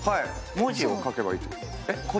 文字を書けばいいってこと。